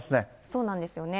そうなんですよね、